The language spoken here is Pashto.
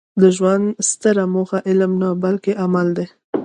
د ژوند ستره موخه علم نه؛ بلکي عمل دئ.